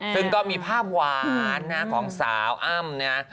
ซึ่งก็มีภาพหวานนะของสาวอ้ำนะฮะ